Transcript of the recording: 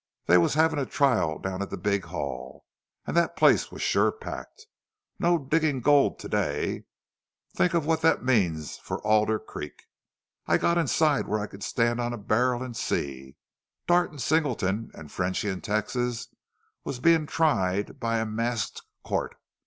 They was havin' a trial down at the big hall, an' thet place was sure packed. No diggin' gold to day!... Think of what thet means for Alder Creek. I got inside where I could stand on a barrel an' see. Dartt an' Singleton an' Frenchy an' Texas was bein' tried by a masked court.